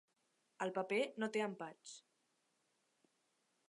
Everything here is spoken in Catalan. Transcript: El paper no té empatx.